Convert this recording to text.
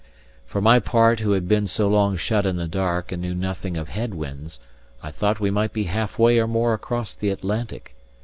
For my part, who had been so long shut in the dark and knew nothing of head winds, I thought we might be half way or more across the Atlantic.